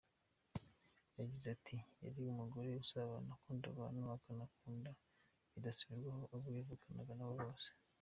Yagize ati “Yari umugore usabana, ukunda abantu, akanakunda bidasubirwaho abo yavukanaga nabo bose.